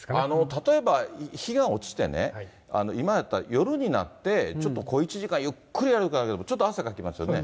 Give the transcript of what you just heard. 例えば日が落ちてね、今やったら夜になって、ちょっと小一時間、ゆっくり歩くだけでもちょっと汗かきますよね。